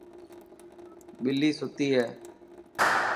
ٻلي ستي هي.